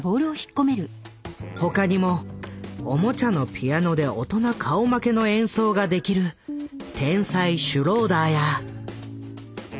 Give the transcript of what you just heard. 他にもおもちゃのピアノで大人顔負けの演奏ができる天才シュローダーや。